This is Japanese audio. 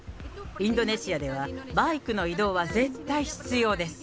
インドネシアでは、バイクの移動は絶対必要です。